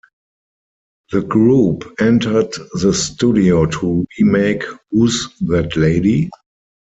The group entered the studio to remake Who's That Lady?